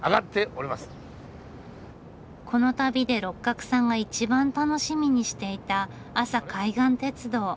この旅で六角さんが一番楽しみにしていた阿佐海岸鉄道。